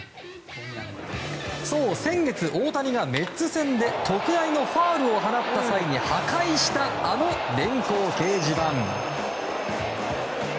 そう、先月、大谷がメッツ戦で特大のファウルを放った際に破壊したあの電光掲示板。